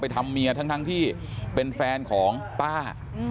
ทำเมียทั้งที่เป็นแฟนของป้า